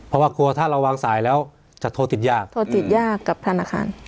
เพราะว่ากลัวถ้าเราวางสายแล้วจะโทรติดยากโทรติดยากกับธนาคาร